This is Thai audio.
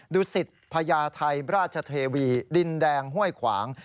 ดุสิตพญาไทยราชเทวีดินแดงห้วยขวาง